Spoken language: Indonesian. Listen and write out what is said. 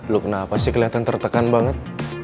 lu kenapa sih kelihatan tertekan banget